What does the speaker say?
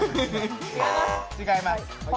違います。